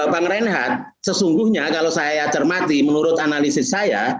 pak ngerenhat sesungguhnya kalau saya cermati menurut analisis saya